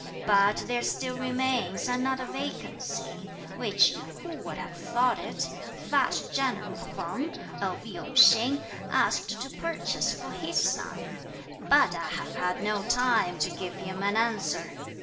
But there still remains another vacancy, which, who would have thought it, fat general Feng, of Yung Hsing, asked to purchase for his son; but I have had no time to give him an answer.